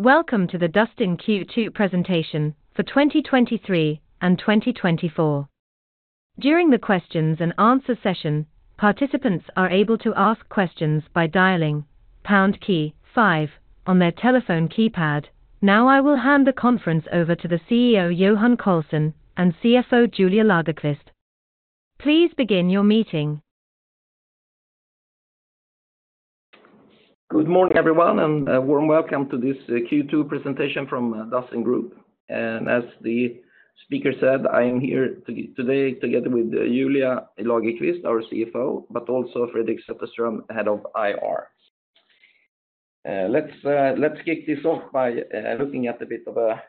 Welcome to the Dustin Q2 presentation for 2023 and 2024. During the questions and answers session, participants are able to ask questions by dialing pound key 5 on their telephone keypad. Now I will hand the conference over to the CEO Johan Karlsson and CFO Julia Lagerqvist. Please begin your meeting. Good morning everyone, and a warm welcome to this Q2 presentation from Dustin Group. As the speaker said, I am here today together with Julia Lagerqvist, our CFO, but also Fredrik Sätterström, head of IR. Let's kick this off by looking at a bit of a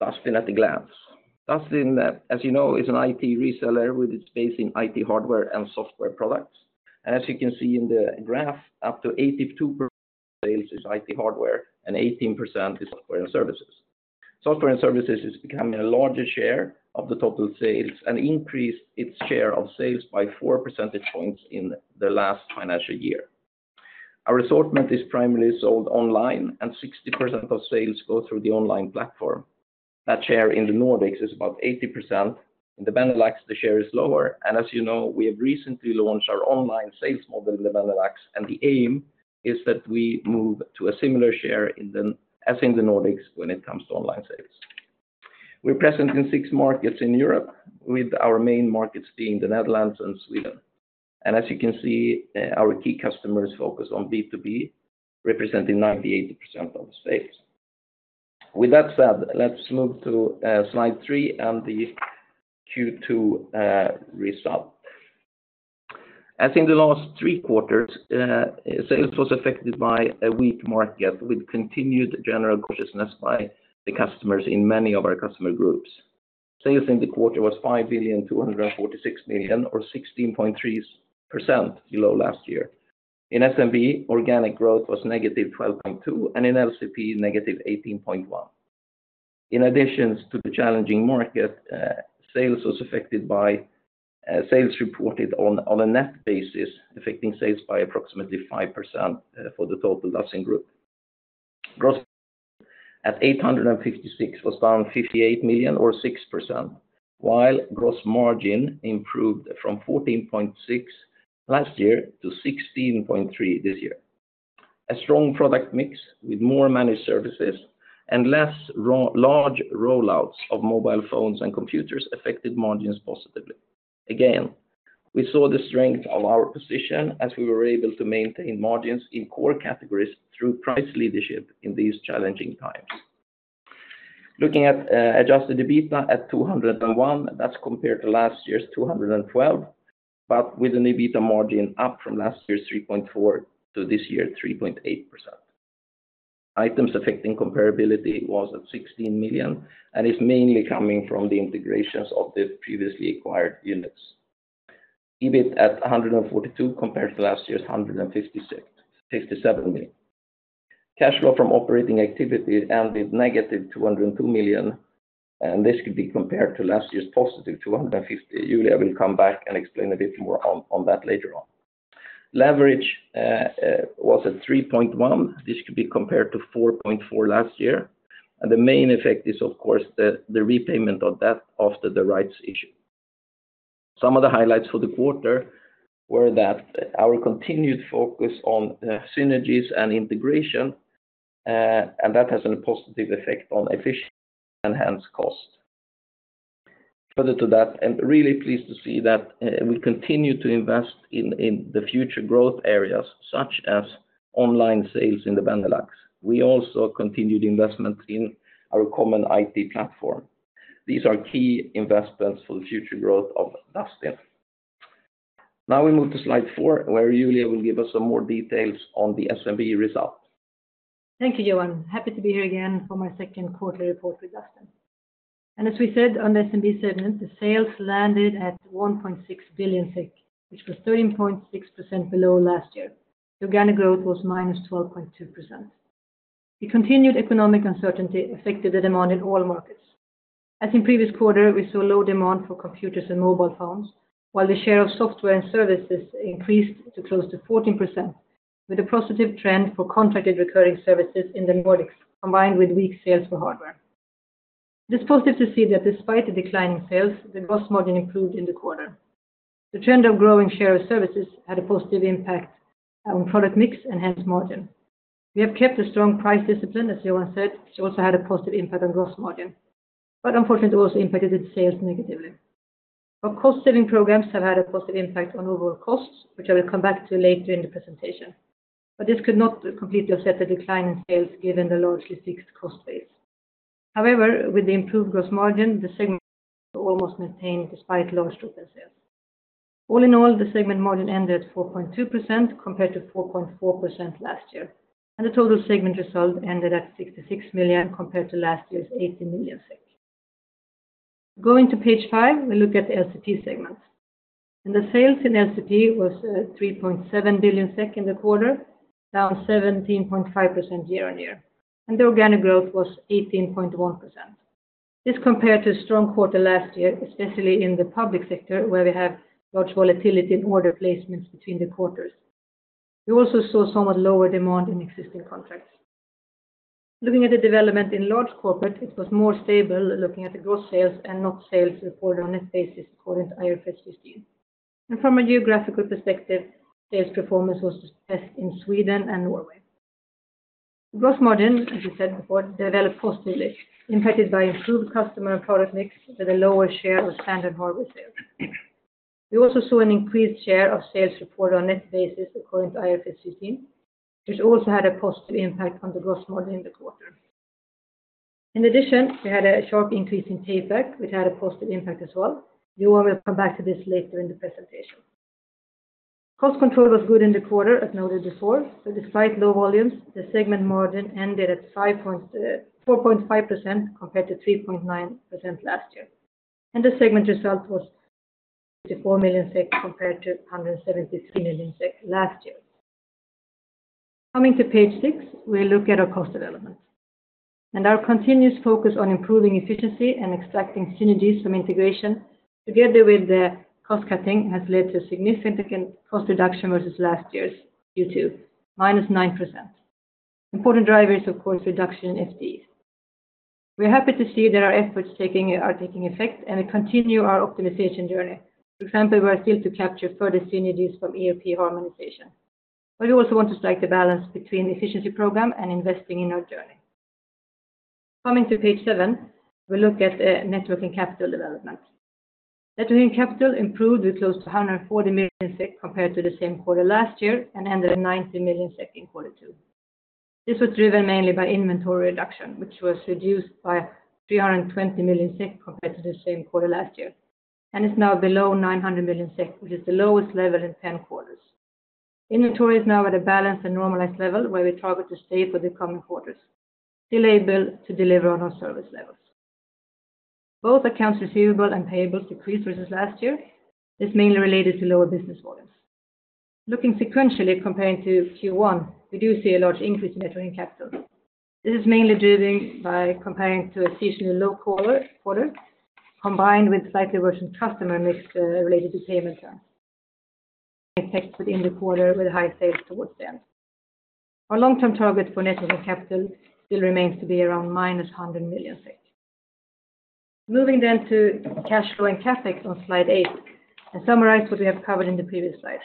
Dustin at a glance. Dustin, as you know, is an IT reseller with its base in IT hardware and software products. As you can see in the graph, up to 82% of sales is IT hardware and 18% is software and services. Software and services is becoming a larger share of the total sales and increased its share of sales by 4 percentage points in the last financial year. Our assortment is primarily sold online, and 60% of sales go through the online platform. That share in the Nordics is about 80%. In the Benelux, the share is lower. As you know, we have recently launched our online sales model in the Benelux, and the aim is that we move to a similar share as in the Nordics when it comes to online sales. We're present in six markets in Europe, with our main markets being the Netherlands and Sweden. As you can see, our key customers focus on B2B, representing 98% of the sales. With that said, let's move to slide three and the Q2 result. As in the last three quarters, sales was affected by a weak market with continued general cautiousness by the customers in many of our customer groups. Sales in the quarter was 5,246 million, or -16.3% below last year. In SMB, organic growth was -12.2%, and in LCP, -18.1%. In addition to the challenging market, sales was affected by sales reported on a net basis, affecting sales by approximately 5% for the total Dustin Group. Gross at 856 million was down 58 million, or 6%, while gross margin improved from 14.6% last year to 16.3% this year. A strong product mix with more managed services and less large rollouts of mobile phones and computers affected margins positively. Again, we saw the strength of our position as we were able to maintain margins in core categories through price leadership in these challenging times. Looking at adjusted EBITA at 201 million, that's compared to last year's 212 million, but with an EBITA margin up from last year's 3.4% to this year's 3.8%. Items affecting comparability was at 16 million and is mainly coming from the integrations of the previously acquired units. EBIT at 142 million compared to last year's 157 million. Cash flow from operating activities ended negative 202 million, and this could be compared to last year's positive 250 million. Julia will come back and explain a bit more on that later on. Leverage was at 3.1%. This could be compared to 4.4% last year. The main effect is, of course, the repayment of debt after the rights issue. Some of the highlights for the quarter were that our continued focus on synergies and integration, and that has a positive effect on efficiency and hence cost. Further to that, I'm really pleased to see that we continue to invest in the future growth areas such as online sales in the Benelux. We also continued investment in our common IT platform. These are key investments for the future growth of Dustin. Now we move to slide four, where Julia will give us some more details on the SMB result. Thank you, Johan. Happy to be here again for my second quarterly report with Dustin. And as we said on the SMB segment, the sales landed at 1.6 billion, which was 13.6% below last year. Organic growth was -12.2%. The continued economic uncertainty affected the demand in all markets. As in previous quarter, we saw low demand for computers and mobile phones, while the share of software and services increased to close to 14%, with a positive trend for contracted recurring services in the Nordics, combined with weak sales for hardware. It is positive to see that despite the declining sales, the gross margin improved in the quarter. The trend of growing share of services had a positive impact on product mix and hence margin. We have kept a strong price discipline, as Johan said. It also had a positive impact on gross margin, but unfortunately also impacted its sales negatively. Our cost-saving programs have had a positive impact on overall costs, which I will come back to later in the presentation. This could not completely offset the decline in sales given the largely fixed cost base. However, with the improved gross margin, the segment almost maintained despite large drop in sales. All in all, the segment margin ended at 4.2% compared to 4.4% last year, and the total segment result ended at 66,000,000 compared to last year's 80,000,000. Going to page five, we look at the LCP segment. The sales in LCP was 3.7 billion SEK in the quarter, down 17.5% year-over-year. The organic growth was 18.1%. This compared to a strong quarter last year, especially in the public sector, where we have large volatility in order placements between the quarters. We also saw somewhat lower demand in existing contracts. Looking at the development in large corporate, it was more stable looking at the gross sales and not sales reported on a net basis according to IFRS 15. From a geographical perspective, sales performance was the best in Sweden and Norway. Gross margin, as we said before, developed positively, impacted by improved customer and product mix with a lower share of standard hardware sales. We also saw an increased share of sales reported on a net basis according to IFRS 15, which also had a positive impact on the gross margin in the quarter. In addition, we had a sharp increase in take back, which had a positive impact as well. Johan will come back to this later in the presentation. Cost control was good in the quarter, as noted before. Despite low volumes, the segment margin ended at 4.5% compared to 3.9% last year. The segment result was 54 million compared to 173 million last year. Coming to page 6, we look at our cost development. Our continuous focus on improving efficiency and extracting synergies from integration together with the cost cutting has led to significant cost reduction versus last year's Q2, -9%. Important driver is, of course, reduction in FTE. We are happy to see that our efforts are taking effect and we continue our optimization journey, for example, we are still to capture further synergies from ERP harmonization. We also want to strike the balance between efficiency program and investing in our journey. Coming to page 7, we look at net working capital development. Working capital improved with close to 140 million SEK compared to the same quarter last year and ended at 90 million SEK in quarter two. This was driven mainly by inventory reduction, which was reduced by 320 million SEK compared to the same quarter last year, and is now below 900 million SEK, which is the lowest level in 10 quarters. Inventory is now at a balanced and normalized level where we target to stay for the coming quarters, still able to deliver on our service levels. Both accounts receivable and payables decreased versus last year. This is mainly related to lower business volumes. Looking sequentially comparing to Q1, we do see a large increase in working capital. This is mainly driven by comparing to a seasonally low quarter, combined with slightly worsened customer mix related to payment terms. It affects within the quarter with high sales towards the end. Our long-term target for net working capital still remains to be around -100 million. Moving then to cash flow and CapEx on slide 8 and summarize what we have covered in the previous slide.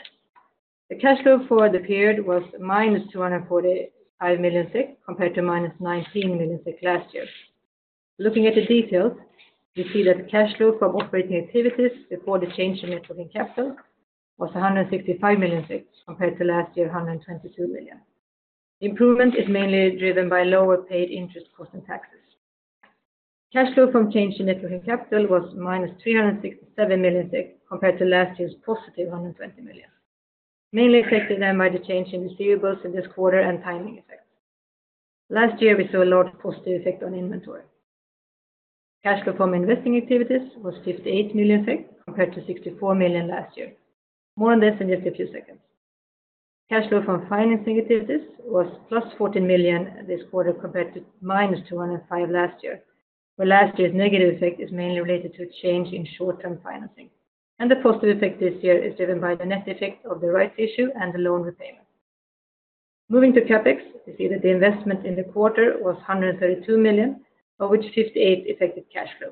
The cash flow for the period was -245 million compared to -19 million last year. Looking at the details, we see that cash flow from operating activities before the change in net working capital was 165 million compared to last year's 122 million. Improvement is mainly driven by lower paid interest costs and taxes. Cash flow from change in net working capital was -367 million compared to last year's positive 120 million, mainly affected then by the change in receivables in this quarter and timing effects. Last year, we saw a large positive effect on inventory. Cash flow from investing activities was 58 million compared to 64 million last year. More on this in just a few seconds. Cash flow from financing activities was +14 million this quarter compared to -205 million last year, where last year's negative effect is mainly related to a change in short-term financing. The positive effect this year is driven by the net effect of the rights issue and the loan repayment. Moving to CapEx, we see that the investment in the quarter was 132 million, of which 58 million affected cash flow.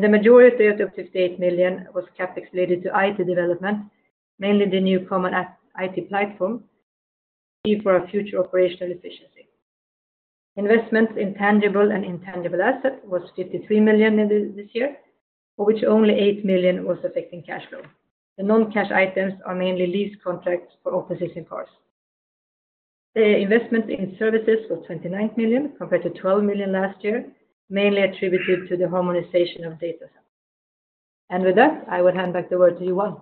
The majority of the 58 million was CapEx related to IT development, mainly the new common IT platform, key for our future operational efficiency. Investment in tangible and intangible assets was 53 million this year, of which only 8 million was affecting cash flow. The non-cash items are mainly lease contracts for offices and cars. The investment in services was 29 million compared to 12 million last year, mainly attributed to the harmonization of data centers. With that, I will hand back the word to Johan.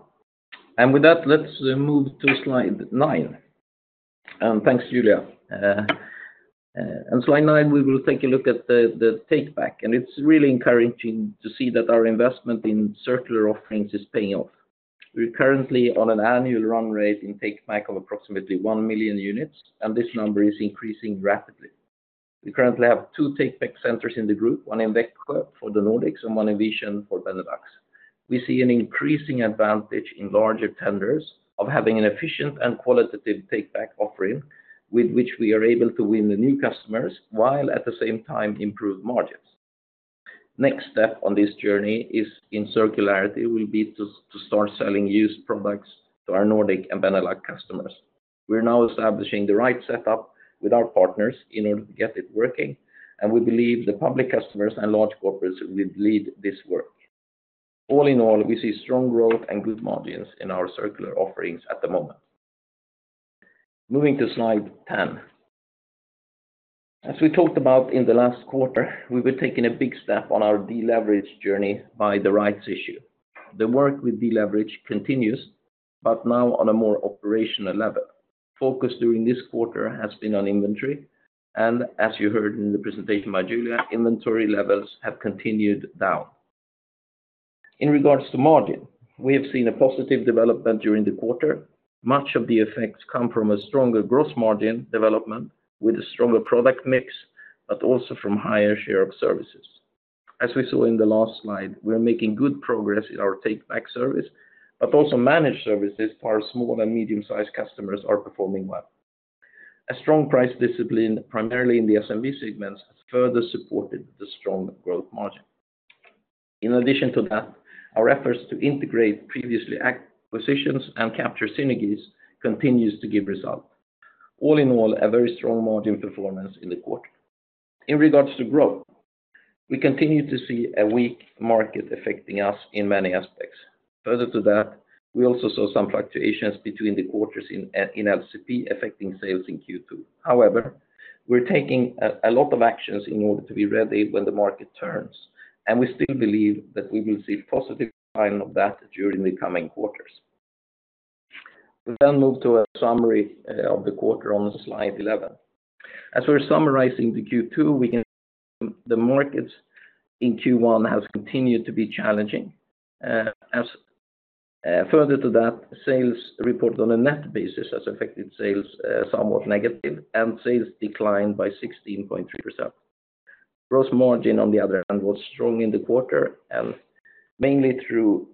And with that, let's move to slide nine. And thanks, Julia. On slide nine, we will take a look at the take back. It's really encouraging to see that our investment in circular offerings is paying off. We're currently on an annual run rate in take back of approximately 1,000,000 units, and this number is increasing rapidly. We currently have two take back centers in the group, one in Växjö for the Nordics and one in Vianen for Benelux. We see an increasing advantage in larger tenders of having an efficient and qualitative take back offering with which we are able to win new customers while at the same time improve margins. Next step on this journey in circularity will be to start selling used products to our Nordic and Benelux customers. We're now establishing the right setup with our partners in order to get it working. We believe the public customers and large corporates will lead this work. All in all, we see strong growth and good margins in our circular offerings at the moment. Moving to slide 10. As we talked about in the last quarter, we were taking a big step on our deleveraged journey by the rights issue. The work with deleverage continues, but now on a more operational level. Focus during this quarter has been on inventory. And as you heard in the presentation by Julia, inventory levels have continued down. In regards to margin, we have seen a positive development during the quarter. Much of the effects come from a stronger gross margin development with a stronger product mix, but also from higher share of services. As we saw in the last slide, we're making good progress in our take back service, but also managed services for our small and medium-sized customers are performing well. A strong price discipline, primarily in the SMB segments, has further supported the strong growth margin. In addition to that, our efforts to integrate previous acquisitions and capture synergies continue to give results. All in all, a very strong margin performance in the quarter. In regards to growth, we continue to see a weak market affecting us in many aspects. Further to that, we also saw some fluctuations between the quarters in LCP affecting sales in Q2. However, we're taking a lot of actions in order to be ready when the market turns. We still believe that we will see a positive sign of that during the coming quarters. We then move to a summary of the quarter on slide 11. As we're summarizing the Q2, we can see the markets in Q1 have continued to be challenging. Further to that, sales reported on a net basis has affected sales somewhat negative, and sales declined by 16.3%. Gross margin, on the other hand, was strong in the quarter, and mainly through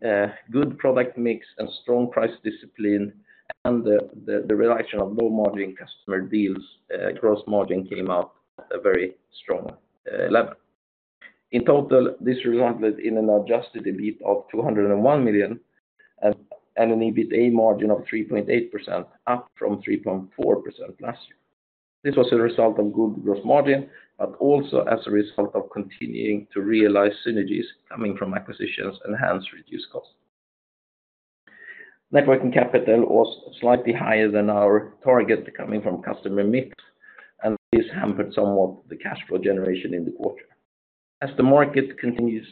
good product mix and strong price discipline and the reduction of low margin customer deals, gross margin came out at a very strong level. In total, this resulted in an adjusted EBITA of 201 million and an EBITA margin of 3.8%, up from 3.4% last year. This was a result of good gross margin, but also as a result of continuing to realize synergies coming from acquisitions and hence reduced costs. working capital was slightly higher than our target coming from customer mix, and this hampered somewhat the cash flow generation in the quarter. As the market continues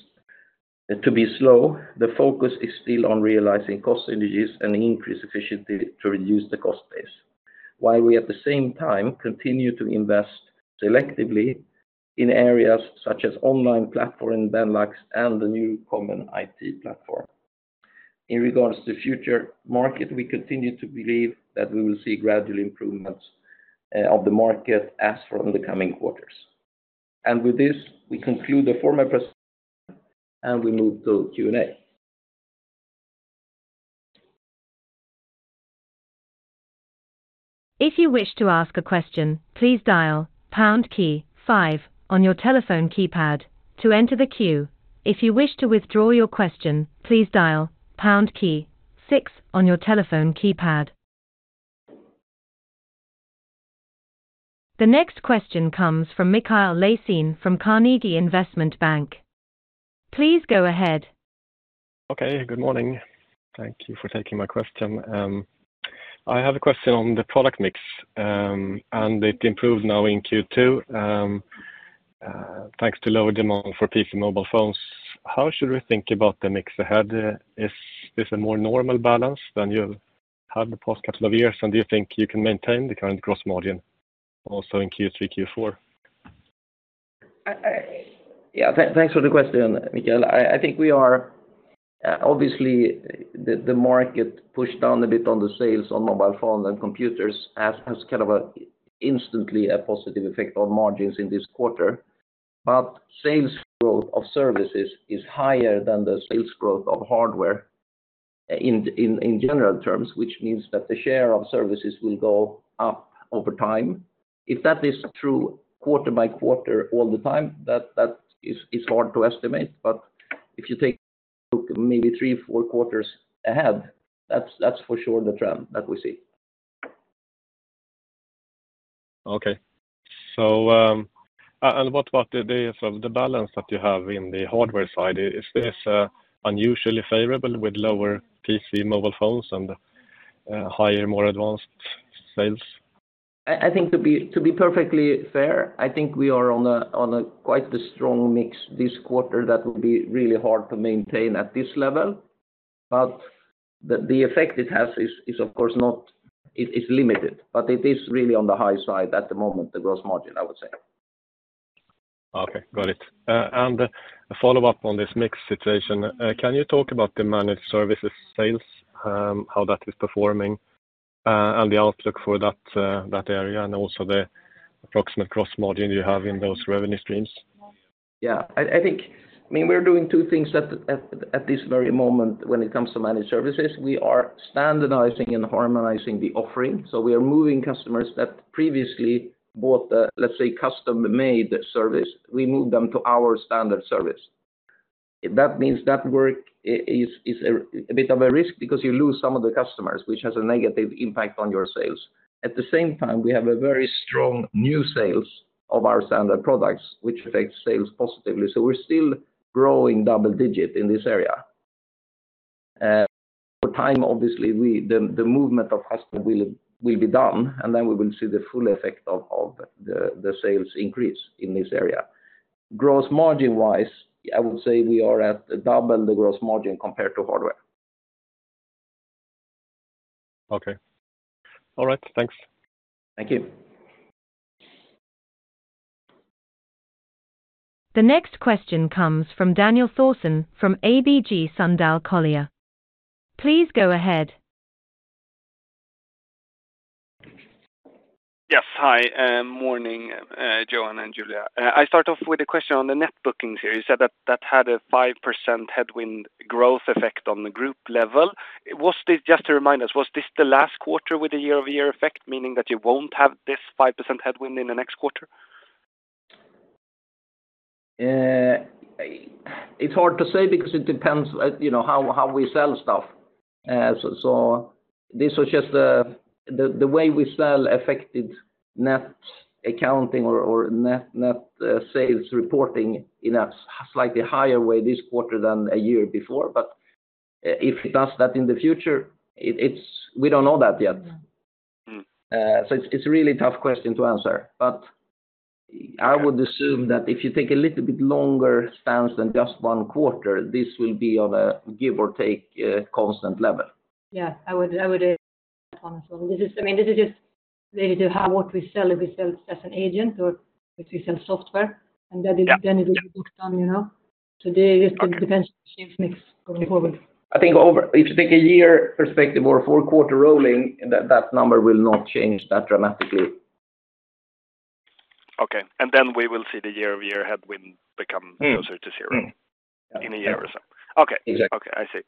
to be slow, the focus is still on realizing cost synergies and increased efficiency to reduce the cost base, while we at the same time continue to invest selectively in areas such as online platform in Benelux and the new common IT platform. In regards to future market, we continue to believe that we will see gradual improvements of the market as for the coming quarters. And with this, we conclude the formal presentation, and we move to Q&A. If you wish to ask a question, please dial pound key 5 on your telephone keypad to enter the queue. If you wish to withdraw your question, please dial pound key 6 on your telephone keypad. The next question comes from Mikael Laséen from Carnegie Investment Bank. Please go ahead. Okay. Good morning. Thank you for taking my question. I have a question on the product mix, and it improved now in Q2 thanks to lower demand for PC mobile phones. How should we think about the mix ahead? Is this a more normal balance than you had the past couple of years, and do you think you can maintain the current gross margin also in Q3, Q4? Yeah. Thanks for the question, Michael. I think we are obviously the market pushed down a bit on the sales on mobile phones and computers has kind of instantly a positive effect on margins in this quarter. But sales growth of services is higher than the sales growth of hardware in general terms, which means that the share of services will go up over time. If that is true quarter by quarter all the time, that is hard to estimate. But if you take maybe three, four quarters ahead, that's for sure the trend that we see. Okay. And what about the balance that you have in the hardware side? Is this unusually favorable with lower PC mobile phones and higher, more advanced sales? I think to be perfectly fair, I think we are on quite the strong mix this quarter that will be really hard to maintain at this level. But the effect it has is, of course, not it's limited, but it is really on the high side at the moment, the gross margin, I would say. Okay. Got it. A follow-up on this mix situation, can you talk about the managed services sales, how that is performing, and the outlook for that area and also the approximate gross margin you have in those revenue streams? Yeah. I mean, we're doing two things at this very moment when it comes to managed services. We are standardizing and harmonizing the offering. So we are moving customers that previously bought the, let's say, custom-made service. We move them to our standard service. That means that work is a bit of a risk because you lose some of the customers, which has a negative impact on your sales. At the same time, we have a very strong new sales of our standard products, which affects sales positively. So we're still growing double-digit in this area. Over time, obviously, the movement of customer will be done, and then we will see the full effect of the sales increase in this area. Gross margin-wise, I would say we are at double the gross margin compared to hardware. Okay. All right. Thanks. Thank you. The next question comes from Daniel Thorsson from ABG Sundal Collier. Please go ahead. Yes. Hi. Morning, Johan and Julia. I start off with a question on the net bookings here. You said that that had a 5% headwind growth effect on the group level. Just to remind us, was this the last quarter with a year-over-year effect, meaning that you won't have this 5% headwind in the next quarter? It's hard to say because it depends how we sell stuff. So this was just the way we sell affected net accounting or net sales reporting in a slightly higher way this quarter than a year before. But if it does that in the future, we don't know that yet. So it's a really tough question to answer. But I would assume that if you take a little bit longer stance than just one quarter, this will be on a give or take constant level. Yeah. I would add that one as well. I mean, this is just related to what we sell, if we sell it as an agent or if we sell software, and then it will be booked on today. It just depends on the sales mix going forward. I think if you take a year perspective or 4-quarter rolling, that number will not change that dramatically. Okay. And then we will see the year-over-year headwind become closer to zero in a year or so. Okay. Okay. I see.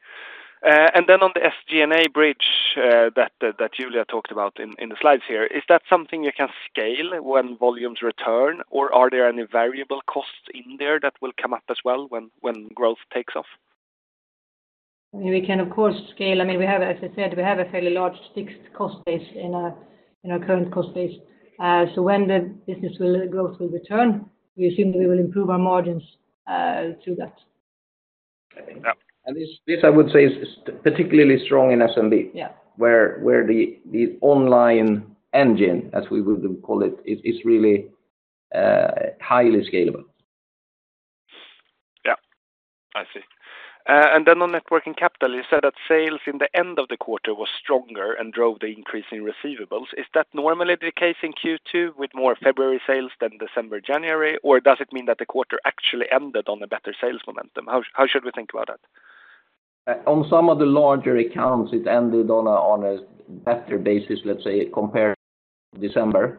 And then on the SG&A bridge that Julia talked about in the slides here, is that something you can scale when volumes return, or are there any variable costs in there that will come up as well when growth takes off? I mean, we can, of course, scale. I mean, as I said, we have a fairly large fixed cost base in our current cost base. When the business growth will return, we assume that we will improve our margins to that. This, I would say, is particularly strong in SMB, where the online engine, as we would call it, is really highly scalable. Yeah. I see. And then on working capital, you said that sales in the end of the quarter was stronger and drove the increase in receivables. Is that normally the case in Q2 with more February sales than December, January, or does it mean that the quarter actually ended on a better sales momentum? How should we think about that? On some of the larger accounts, it ended on a better basis, let's say, compared to December.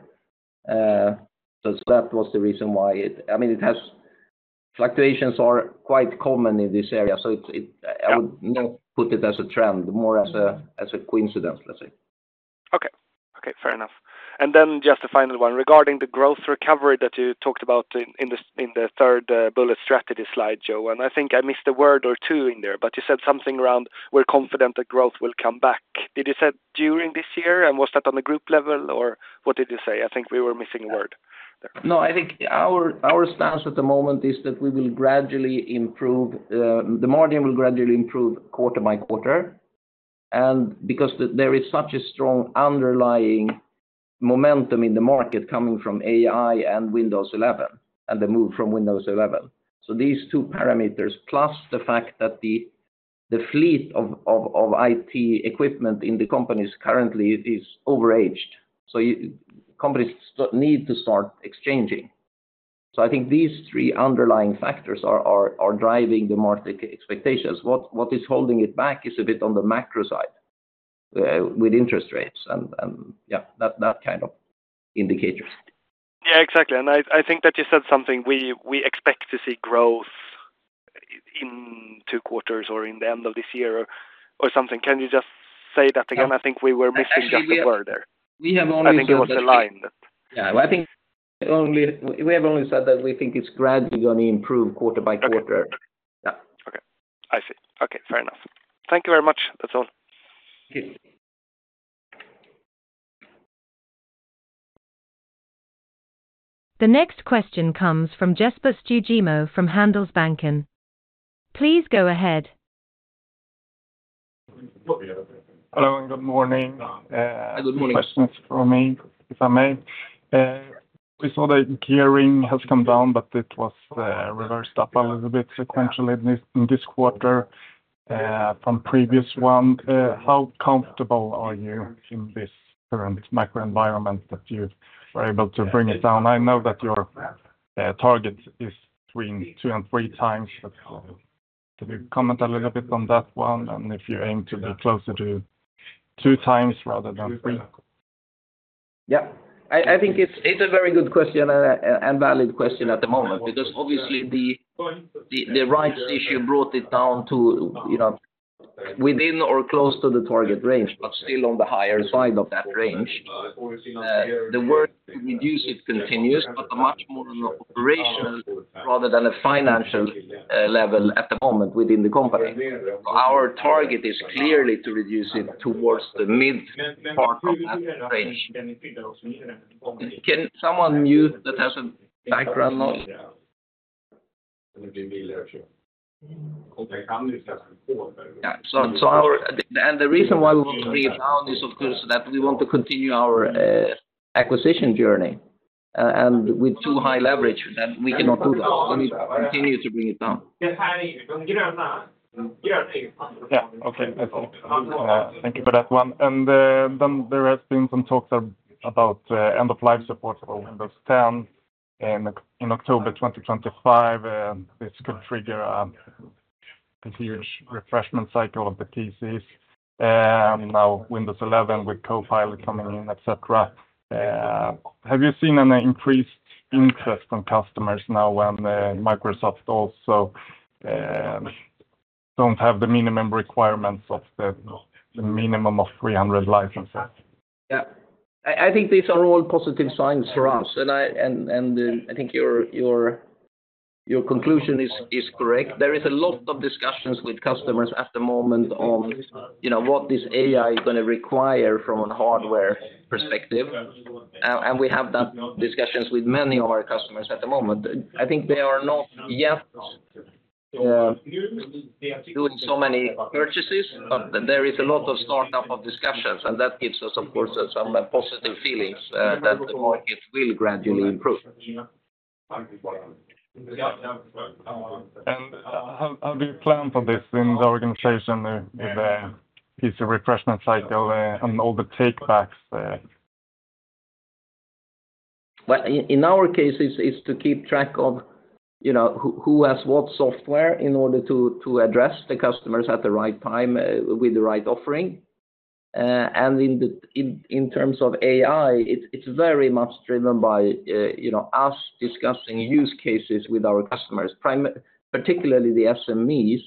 So that was the reason why it, I mean, fluctuations are quite common in this area. So I would not put it as a trend, more as a coincidence, let's say. Okay. Okay. Fair enough. And then just the final one, regarding the growth recovery that you talked about in the third bullet strategy slide, Johan. I think I missed a word or two in there, but you said something around, "We're confident that growth will come back." Did you say during this year, and was that on the group level, or what did you say? I think we were missing a word there. No. I think our stance at the moment is that we will gradually improve the margin will gradually improve quarter by quarter because there is such a strong underlying momentum in the market coming from AI and Windows 11 and the move from Windows 11. So these two parameters, plus the fact that the fleet of IT equipment in the companies currently is overaged, so companies need to start exchanging. So I think these three underlying factors are driving the market expectations. What is holding it back is a bit on the macro side with interest rates and, yeah, that kind of indicators. Yeah. Exactly. And I think that you said something. We expect to see growth in two quarters or in the end of this year or something. Can you just say that again? I think we were missing just a word there. We have only said that. I think it was a line that. Yeah. I think we have only said that we think it's gradually going to improve quarter by quarter. Yeah. Okay. I see. Okay. Fair enough. Thank you very much. That's all. Thank you. The next question comes from Jesper Stugemo from Handelsbanken. Please go ahead. Hello. Good morning. Hi. Good morning. Questions from me, if I may. We saw that gearing has come down, but it was reversed up a little bit sequentially in this quarter from previous one. How comfortable are you in this current microenvironment that you were able to bring it down? I know that your target is between two and three times, but can you comment a little bit on that one and if you aim to be closer to two times rather than three? Yeah. I think it's a very good question and valid question at the moment because, obviously, the rights issue brought it down to within or close to the target range, but still on the higher side of that range. The work to reduce it continues, but much more on an operational rather than a financial level at the moment within the company. So our target is clearly to reduce it towards the mid part of that range. Can someone mute? That has a background noise? Yeah. And the reason why we want to bring it down is, of course, that we want to continue our acquisition journey with too high leverage, that we cannot do that. We need to continue to bring it down. Okay. I see. Thank you for that one. And then there has been some talks about end-of-life support for Windows 10 in October 2025. This could trigger a huge refresh cycle of the PCs. Now, Windows 11 with Copilot coming in, etc. Have you seen an increased interest from customers now when Microsoft also don't have the minimum requirements of the minimum of 300 licenses? Yeah. I think these are all positive signs for us. I think your conclusion is correct. There is a lot of discussions with customers at the moment on what this AI is going to require from a hardware perspective. We have that discussions with many of our customers at the moment. I think they are not yet doing so many purchases, but there is a lot of startup discussions, and that gives us, of course, some positive feelings that the market will gradually improve. How do you plan for this in the organization with the PC refresh cycle and all the takebacks? Well, in our case, it's to keep track of who has what software in order to address the customers at the right time with the right offering. And in terms of AI, it's very much driven by us discussing use cases with our customers, particularly the SMEs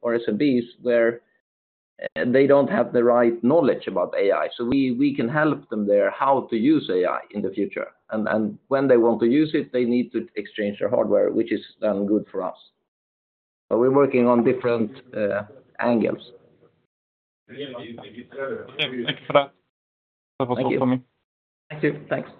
or SMBs where they don't have the right knowledge about AI. So, we can help them there how to use AI in the future. And when they want to use it, they need to exchange their hardware, which is then good for us. But we're working on different angles. Thank you for that. That was all from me. Thank you. Thanks.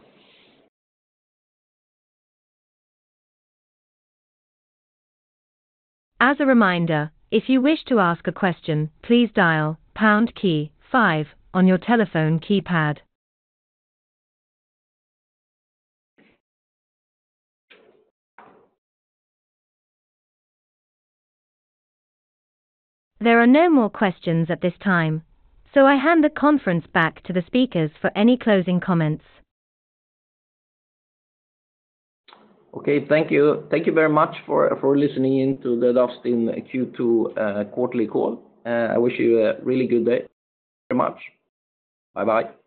As a reminder, if you wish to ask a question, please dial pound key 5 on your telephone keypad. There are no more questions at this time, so I hand the conference back to the speakers for any closing comments. Okay. Thank you. Thank you very much for listening into the Dustin Q2 quarterly call. I wish you a really good day. Thank you very much. Bye-bye.